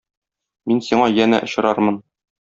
Мин сиңа янә очрармын.